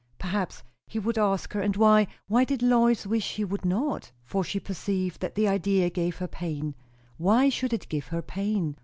Perhaps he would ask her; and why, why did Lois wish he would not? For she perceived that the idea gave her pain. Why should it give her pain?